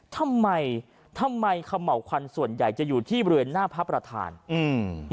ทำไมทำไมเขม่าวควันส่วนใหญ่จะอยู่ที่บริเวณหน้าพระประธานอืม